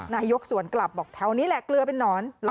นายกสวนกลับบอกแถวนี้แหละเกลือเป็นนอน